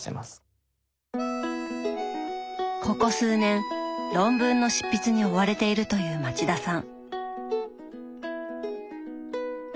ここ数年論文の執筆に追われているという町田さん。